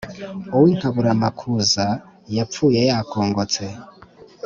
Uw’inkaburamakuza yapfuye yakongotse.